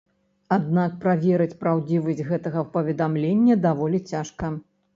Аднак, праверыць праўдзівасць гэтага паведамлення даволі цяжка.